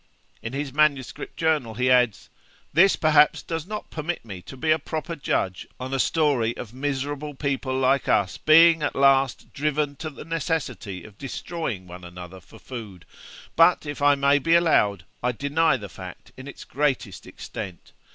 In his manuscript journal, he adds, 'This, perhaps, does not permit me to be a proper judge on a story of miserable people like us being at last driven to the necessity of destroying one another for food but, if I may be allowed, I deny the fact in its greatest extent.